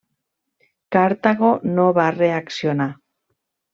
Cartago no va reaccionar.